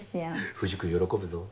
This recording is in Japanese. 藤君喜ぶぞ。